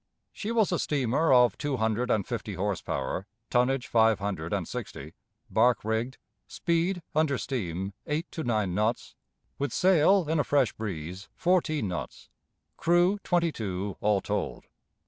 She was a steamer of two hundred and fifty horse power, tonnage five hundred and sixty, bark rigged; speed, under steam, eight to nine knots; with sail, in a fresh breeze, fourteen knots; crew twenty two, all told.